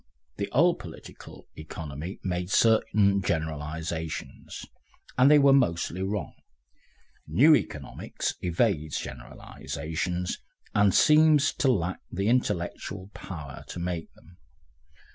The old "Political Economy" made certain generalisations, and they were mostly wrong; new Economics evades generalisations, and seems to lack the intellectual power to make them.